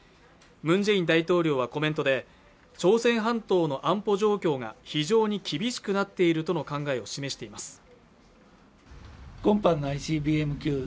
ムン・ジェイン大統領はコメントで朝鮮半島の安保状況が非常に厳しくなっているとの考えを示しています